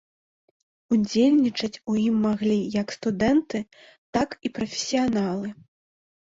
Удзельнічаць у ім маглі як студэнты, так і прафесіяналы.